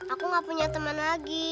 aku gak punya teman lagi